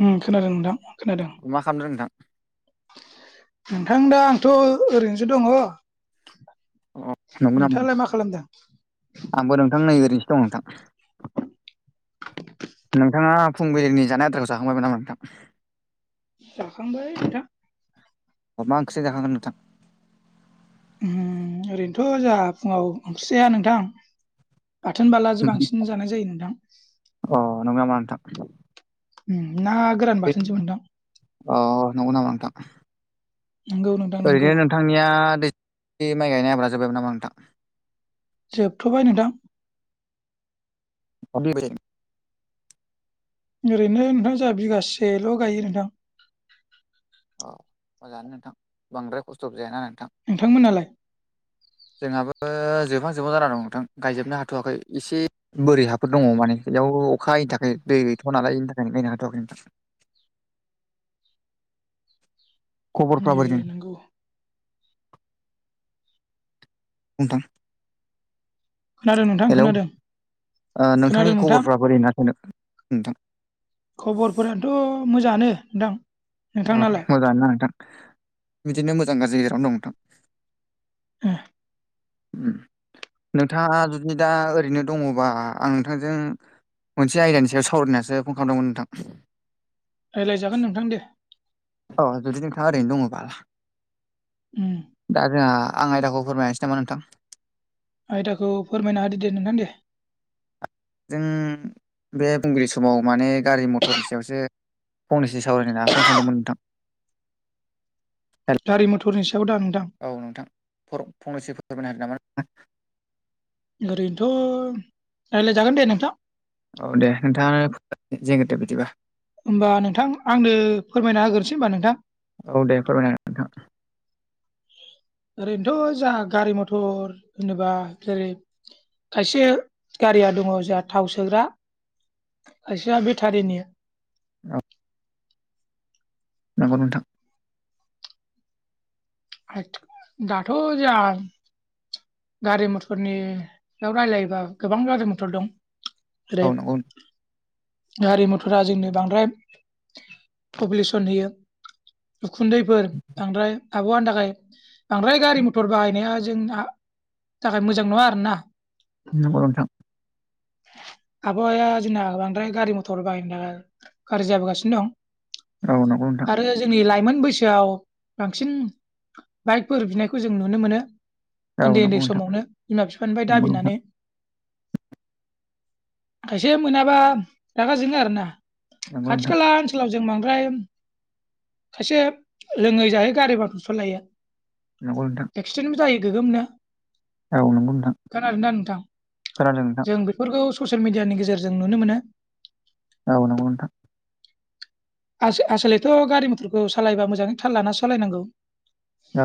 उम खोनादों नोंथां खोनादों। मा खालामदों नोंथां? नोंथां दा आंथ' ओरैनोसो दङ। अ नंगौ नामा नोंथाङालाय नोंथां मा खालामदों? आंबो नोंथां नै ओरैनोसो दं नोंथां। [unintelligible] नोंथाङा फुंबिलिनि जानाय आद्राखौ जाखांबायमोन नामा नोंथां। जाखांबाय नोंथां। अ मा ओंख्रि जाखांखो नोंथां। ओरैनोथ' जोंहा फुङाव ओंख्रि जाया नोंथां। बाथोन बालाजों बांसिन जानाय जायो नोंथां। अ नोंगौ नामा नोंथां। ना गोरान बाथोनसोमोनदां। अ नंगौ नामा नोंथां नोंगौ नोंथां ओरैनो नोंगौ। नों नोंथांनिया दै माइ गायनाय आबादा जोबायबो नामा नोंथां। जोबथ'बाय नोंथां। [unintelligible] ओरैनो नोंथां जोंहा बिगासेल' गायो नोंथां। अ मोजाङानो नोंथां बांद्राय खस्थ'बो जायाना नोंथां। नोंथांमोनालाय जोंहाबो जोबहां जोबहां जाना दं नोंथां गायजोबनो हाथ'वाखै एसे बोरै हाफोर दंबावो माने बेयाव अखा हायैनि थाखाय दै गैथ'आ नालाय बेनि थाखायनो गायनो हाथ'वाखै नोंथां। खबरफ्रा मे बोरै नोंगौ [unintelligible] खोनादों नोंथां हेलौ खोनादों ओ खोनादों नोंथांनि नोंथां। खबरफ्रा बोरै ना [unintelligible] खबरफोराथ' मोजाङानो नोंथां। अ नोंथांनालाय? मोजाङानो ना नोंथां बिदिनो मोजां गाज्रि गेजेरावनो दं नोंथां। ए नोंथाङा जुदि दा ओरैनो दङबा आं नोंथांजों मोनसे आयदानि सायाव सावरायनानैसो फन खालामदोंमोन नोंथां। रायलायजागोन नोंथां दे। अ जुदि नोंथाङा ओरैनो दङबा। उम दा जोंहा आं आयदाखौ फोरमायसै नामा नोंथां आयदाखौ फोरमायना होादो दे नोंथां दे। जों बे फुंबिलिनि समाव माने गारि मथरनि सायावसो फंनैसो सावरायनो होनना फन खालामदोंमोन नोंथां। हेल- गारि मथरनि सायाव दा नोंथां? औ नोंथां फर फंनैसो फोरमायना होदो नामा नोंथां ओरैनोथ' रायज्लायजागोन दे नोंथां औ दे नोंथाङानो [unintelligible] बिदिबा होमबा नोंथां आंनो फोरमायना होग्रोसै होनबा नोंथां। औ दे फोरमायना होदो नोंथां। ओरैनोथ' जों गारि मथर होनोबा जेरै खायसे गारिया दङ जोंहा थाव सोग्रा खायसेया बेटारिनि औ नोंगौ नोंथां आ दाथ' जा गारि मथरनियाव रायलायोबा गोबां गारि मथर दं। औ नंगौ [unintelligible] गारि मथरा जोंनो बांद्राय पपुलेसन होयो। उखुन्दैफोर बांद्राय आबहावानि थाखाय बांद्राय गारि मथर बाहायनाया जों आ थाखाय मोजां नङा आरो ना। नंगौ नोंथां। आबहावाया जोंना बांद्राय गारि मथर बाहायनायनि थाखाय गाज्रि जाबोगासिनो दं। औ नंगौ नोंथां। आरो जोंनि लाइमोन बैसोआव बांसिन बाइकफोर बिनायखौ जों नुनो मोनो। औ उन्दै उन्दै नंगौ नोंथां समावनो बिमा बिफानिफ्राय नंगौ नोंथां दाबिनानै खायसे मोनाबा रागा जोङो आरो ना नंगौ खाथि नोंथां खाला आथिखलाव जों बांद्राय खायसे लोङै जायै गारिफोरखौ सालायो नंगौ नोंथां‌। एक्सिडेन्टबो जायो गोगोमनो। औ नंगौ नोंथां। खोनादों नोंथां आं बेफोरखौ ससियेल मिडियानि गेजेरजों नुनो मोनो। औ नंगौ नोंथां। आस-आसलेथ' गारि मथरखौ सालायबा मोजाङै थाल लाना सालायनांगौ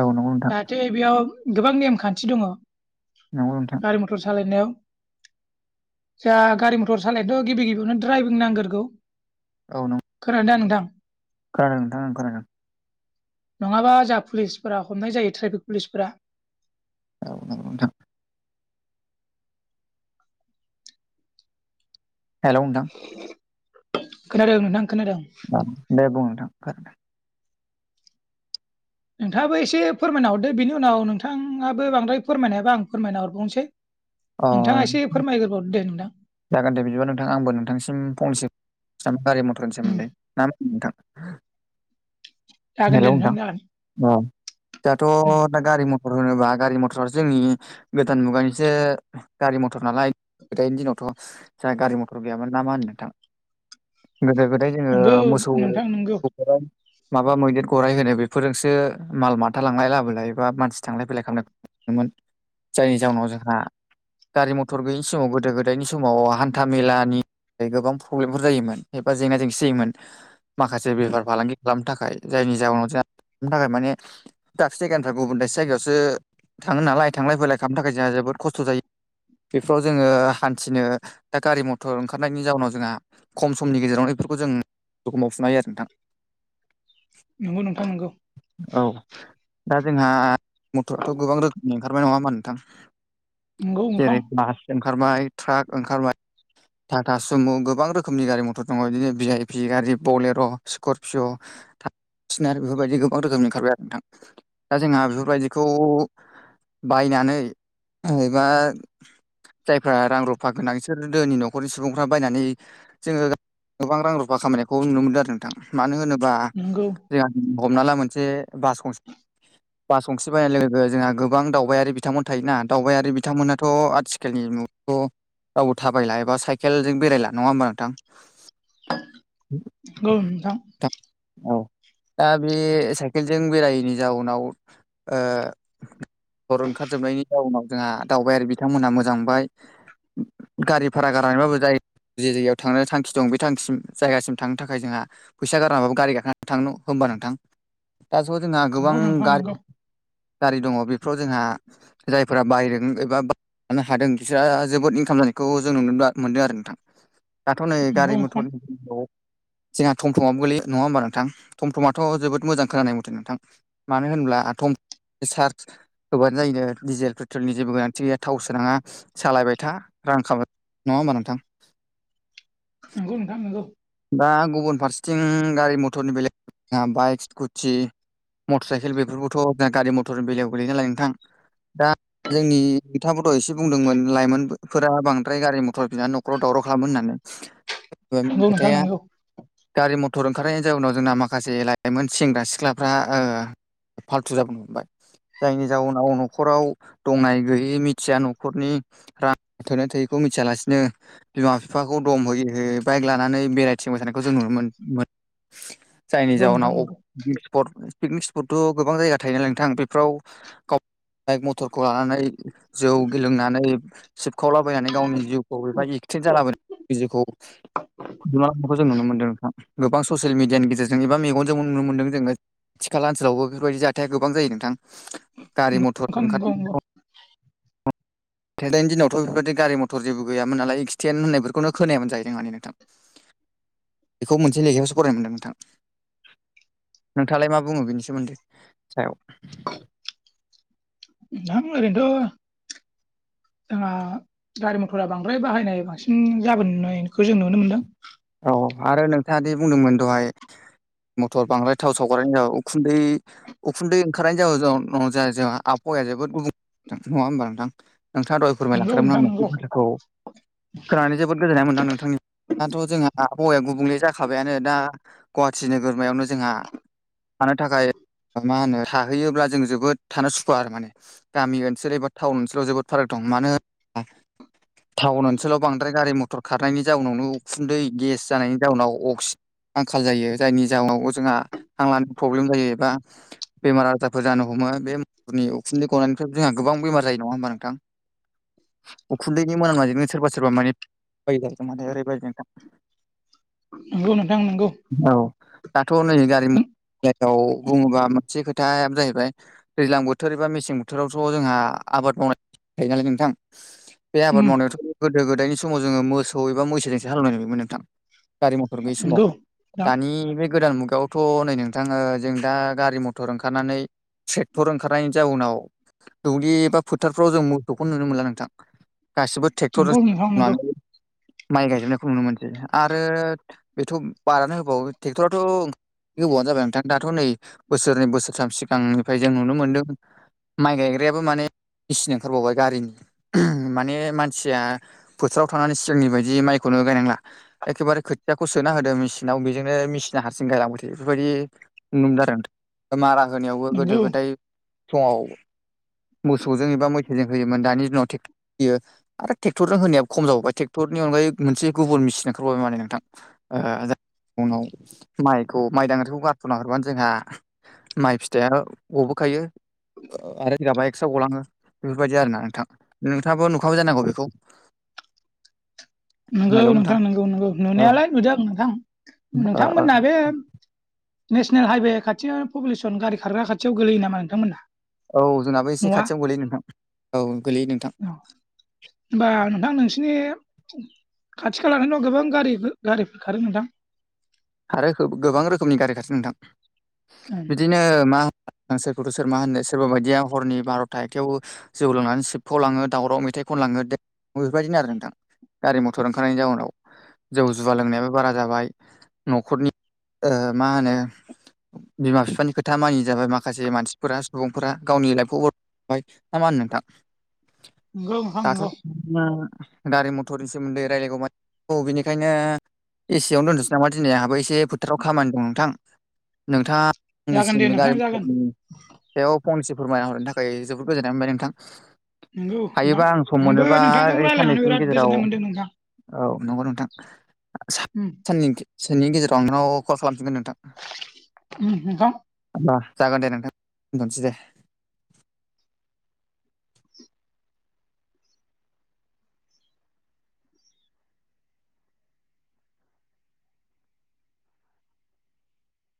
औ नंगौ नोंथां जाहाथे बेयाव गोबां नेमखान्थि दङ। नंगौ नोंथां मटर सालायनायाव जा गारि मथर सालायनो गिबि गिबियावनो दड्राइभिं नांगोरगौ। औ नंगौ। खोनादों दा नोंथां? ओं नोंथां ओं खोनादों नङाबा जाहा पुलिसफोरा हमनाय जायो ट्रेफिक पुलिसफोरा। औ नंगौ नोंथां। हेल' नोंथां खोनादों नोंथां खोनादों। औ दे बुं नोंथां खोनादों। नोंथाङाबो एसे फोरमायना हरदो बिनि उनाव नोंथाङाबो बांद्राय फोरमायनो हायाबा आं फोरमायना हरबावनोसै। अ रायलाय बावदो दे नोंथां। जागोन दे बिदिबा नोंथां आंबो नोंथांसिम फंसे [unintelligible] गारि मथरनि उम सोमोन्दै ना मा होनो नोंथां? जागोन दे हेलौ नोंथां जागोन। औ उम दाथ' दा गारि मथर होनोबा गारि मथराथ' जोंनि गोदान मुगानिसो गारि मथर नालाय गोदायनि दिनावथ' जोंहा गारि मथर गैयामोन ना मा होनो नोंथां? गोदो गोदाय नोंगौ जोङो मोसौ नोंथां नोंगौ [unintelligible] माबा मैदेर गराइ होनो बेफोरजोंसो माल माथा लांलाय लाबोलाय एबा मानसि थांलाय फैलाय खालामनाय मोन जायनि जाहनाव जोंहा गारि मथर गैयिनि समाव गोदो गोदायनि समाव हान्था मेलानि गोबां प्रब्लेमफोर जायोमोन एबा जेंना जेंसि जायोमोन। माखासे बेफार फालांगि खालामनो थाखाय जायनि जाउनाव जोंहा [inaudible] थाखाय माने दाबसे जायगानिफ्राय गुबुन दाबसे जायगायावसो थाङो नालाय थांलाय फैलाय खालामनो थाखाय जोंहा जोबोद खस्थ' जायो। बेफोराव जोङो हान थिनो दा गारि मथर ओंखारनायनि जाउनाव जोंहा खम समनि गेजेरावनो बेफोरखौ जों [unintelligible] मावफुनो हायो आरो नोंथां। नंगौ नोंथां नंगौ। औ दा जोंहा मटराथ' गोबां रोखोमनि ओंखारबाय नङा होमबा नोंथां? नोंगौ नोंथां नोंगौ जेरै बास ओंखारबाय ट्राक ओंखारबाय टाटा सुमु गोबां रोखोमनि गारि मथर दङ' बिदिनो भि आइ पि गारि बलेर' स्करपिय' [unintelligible] बेफोरबायदि गोबां रोखोमनि ओंखारबाय आरो नोंथां दा जोंहा बेफोरबायदिखौ बायनानै एबा जायफोरा रां रुफा गोनां बिसोर दोनि न'खरनि सुबुंफ्रा बायनानै जोङो गोबां रां रुफा खामायनायखौ नुनो मोनदों आरो नोंथां मानो होनोबा जोंहा हमना ला मोनसे बास गंसे बास गंसे बायनाय लोगो जोंहा गोबां दावबायारि बिथांमोन थायोना दावबायारि बिथांमोनाथ' आथिखालनि मु थ' रावबो थाबायला एबा साइकेलजों बेरायला नङा होमबा नोंथां? गौ नोंथां। थां औ दा बे साइकेलजों बेरायैनि जाउनाव ओ अर ओंखारजोबनायनि जाउनाव जोंहा दावबायारि बिथांमोनहा मोजां मोनबाय। गारि भारा गारनानैबाबो जाय जे जायगायाव थांनो थांखि दं बे थांखिसिम जायगासिम थांनो थाखाय जोंहा फैसा गारनाबाबो गारि गाखोनानै थांनो होमबा नोंथां दास' जोंहा गोबां गारि गारि दङ' बेफोराव जोंहा जायफोरा बायदों एबा लानो हादों बिसोरहा जोबोद इनकाम जानायखौ जों नु ना मोनदों आरो नोंथां दाथ' नै नोंगौ गारि मथर [unintelligible] जोंहा टम टमाबो गोलैयो नङा होमबा नोंथां? टम टमाथ' जोबोद मोजां खोनानाय मथे नोंथां। मानो होनब्ला टम सार्ज होबानो जायो नो डिजेल पेट्रलनि जेबो गोनांथि गैया थाव सोनाङा। सालायबाय था रां खामाय नङा होमबा नोंथां? नोंगौ नोंथां नोंगौ। बा गुबुन फारसेथिं गारि मथरनि बेलेग [inaudible] बाइक स्कुटि मटर साइकेल बेफोरखौथ' जोंहा गारि मथरनि बेलायाव गोलैयो नालाय नोंथां दा जोंनि बिथांआबो दहायसो बुंदोंमोन लाइमोनफोरा बांद्राय गारि मथर बिनानै न'खराव दावराव खालामो होननानै। [inaudible] नोंथां नोंगौ नोंथां खोथाया नोंगौ नोंगौ नोंथां नोंगौ गारि मथर ओंखारनायनि जाउनाव जोंना माखासे लाइमोन सेंग्रा सिख्लाफ्रा ओ फाल्थु जाबोनो हमबाय। जायनि जाउनाव न'खराव दंनाय गैयै मिथिया न'खरनि रां थोनाय थोयैखौ मिथियालासिनो बिमा बिफाखौ दम होयै होयै बाइक ला नानै बेरायथिंबाय थानायखौ जों नुनो मोन मोन जायनि नोंगौ नोंथां जाउनाव नोंगौ पिकनिक स्पट पिकनिक स्पटथ' गोबां जायगा थायो नालाय नोंथां बेफ्राव गाव बाइक मथरखौ लानानै जौ गेलोंनानै सिबखावलाबायनानै गावनि जिउखौ औ एबा एक्सिडेन्ट जालाबायो जिउखौ बिमा बिफाखौ जों नुनो मोनदों नोंथां। गोबां ससियेल मिडियानि गेजेरजोंबो एबा मेगनजोंबो नुनो मोनदों जोंङो खाथि खाला ओनसोलावबो बेफोरबायदि जाथाया गोबां जायो नोंथां गारि मथर नोंथां नोंगौ ओंखार गोदो गोदायनि दिनावथ' बेबायदि गारि मथर जेबो गैमोन नालाय एक्सिडेन्ट होननायफोरखौनो खोनायामोन जाहैदों मानि नोंथां। बेखौ मोनसे लेखायावसो फरायनो मोनदों नोंथां। नोंथांङालाय मा बुंङो बेनि सोमोन्दै सायाव। आं ओरैनोथ' जोंहा गारि मथरा बांद्राय बाहायनाय बांसिन जाबोनायखौ जों नुनो मोन्दों। औ आरो नोंथांङादि बुंदोंमोन दहाय मटर बांद्राय थाव सावगारनायनि जाहोनाव उखुन्दै उखुन्दै ओंखारनाय जाहोनाव जाबाय जाहा आबहावाया जोबोद गुबुं नंङा होमबा नोंथां। नोंथांङा दहाय मोनदों नंगौ नोंथां फोरमायलांखादोंमोन आंनो बे नंगौ खोथाखौ। खोनानै जोबोद गोजोननाय मोनदां नोंथां नि दाथ' जोंहा हौवाया गुबुंले जाखाबायानो दा गुवाहाटि नोगोरमायावनो जोंहा थानो थाखाय मा होनो थाहैयोब्ला जों जोबोद थानो सुखुवा आरो माने गामि ओनसोल एबा टाउन ओनसोलाव जोबोद फाराग दं मानो होन टाउन ओनसोलाव बांद्राय गारि मथर खारनायनि जाउनावनो उखुन्दै गेस जानायनि जाउनाव अक्सि आंखाल जायो जायनि जाउनाव जोंहा हांलानो प्रब्लेम जायो एबा बेमार आजारफोर जानो हमो बे उखुन्दै गनायनायनिफ्राय जोंहा गोबां बेमार जायो नङा होमबा नोंथां। उखुन्दैनि मोनामनायजोंनो सोरबा सोरबा माने बायजो माने ओरैबायदि नोंथां। नंगौ नोंथां नोंगौ। औ दाथ' नै गारि मथरनि बुङोबा मोनसे खोथायानो जाहैबाय दैज्लां बोथोर एबा मेसें बोथोरावथ' जोंहा आबाद मावनाय थायो नालाय नोंथां। बे आबाद मावनायावथ' गोदो गोदायनि समाव जोङो मोसौ एबा मैसोजोंसो हालवनाय नुयमोन नोंथां। गारि मथर गैयि समाव दानि बे गोदान मुगायाव थ' नै नोंथां ओ जों दा गारि मथर ओंखारनानै ट्रेक्टर ओंखारनायनि जाउनाव दुब्लि एबा फोथारफ्राव जों मोसौखौ नुनो मोनला नोंथां गासिबो ट्रेक्टरजोंसो नंगौ एवनानै माइ गायजोबनायखौ नुनो मोनदों। आरो बेथ' बादानो होबाव ट्रेक्टराथ' गोबावानो जाबाय नोंथां दाथ' नै बोसोरनै बोसोरथाम सिगांनिफ्राय जों नुनो मोन्दों। माइ गायग्रायाबो माने मेचिन ओंखारबावबाय गारिनि माने मानसिया फोथाराव थांनानै सिगांनि बायदि माइखौनो गायनांला। एखेबारे खोथियाखौ सोना होदो मेसिनाव बेजोंनो मेसिना हारसिं गायलांबाय था बेफोरबायदि नुनो मोन्दों नोंथां आरो मारा होनायावबो गोदो उम गोदाय समाव मोसौजों एबा मैसोजों होयोमोन दानि दिनाव थिग बेयो आरो ट्रेक्टरजों होनाया खम जाबावबाय ट्रेटरनि अनगायैबो मोनसे गुबुन मेसिन ओंखारबावबाय माथो नोंथां। ओ ओ [unintelligible] माइखौ माइ दांग्रिखौ गारथ'ना हरबानो जोंहा माइ फिथाइयाथ गबोखायो आरो सिगाबा एक्स्रा गलाङो बेफोरबायदि आरोना नोंथां नोंथाङाबो नुखाबाय जानांगौ बेखौ [inaudible] नंगौ नोंथां नंगौ नंगौ औ नुनायालाय नुदों आं नोंथां ओ ओ नोंथांमोना बे नेसनेल हाइवे खाथिनि पपुलेसन गारि खारग्रा खाथियाव गोलैयो नामा नोंथांमोना? औ जोंनाबो एसे न'आ खाथियावनो गोलैयो नोंथां औ गोलैयो नोंथां। औ होमबा नोंथां नोंसिनि खाथि खालाथिंथ' गोबां गारि गारिफोर खारो नोंथां। खारो गोबां रोखोमनि गारि खारो नोंथां। [inaudible] बिदिनो मा होनो सोरखौथ' सोर मा होनो सोरबा बायदिया हरनि बार'था एखथायाव जौ लोंनानै सिबखाव लाङो दावराव मेथाइ खन लाङो बेफोरबायदिनो आरो नोंथां। गारि मथर ओंखारनायनि जाउनाव जौ जुुवा लोंनायाबो बारा जाबाय। न'खरनि ओ मा होनो बिमा बिफानि खोथा मानि जाबाय माखासे मानसिफोरा सुबुंफोरा गावनि लाइफखौ बर बाय ना मा होनो नोंथां। नंगौ नोंथां दाथ' नंगौ मागारि मथरनि सोमोन्दै रायलायगौ। औ बेनिखायनो एसियावनो दोननोसै नामा? दिनै आंहाबो एसे फोथाराव खामानि दं नोंथां। नोंथाङा जागोन दे आंनिसिम नोंथां गारि जागोन मथरनि सायाव फंनैसो फोरमायना हरनो थाखाय जोबोद गोजोननाय मोनबाय नोंथां। नंगौ नोंथां हायोबा आं सम मोन आंबो नोंथांजों रायज्लायनानै बिराद गोजोननाय मोनदों नोंथां औ नंगौ नोंथां खरसा। होम। [unintelligible] गेजेराव आंनाव कल खालामफिनगोन नोंथां। ओम नोंथां। होमबा जागोन दे नोंथां दोनथ'नोसै दे।